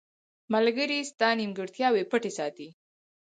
• ملګری ستا نیمګړتیاوې پټې ساتي.